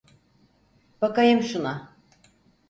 Bakayım şuna.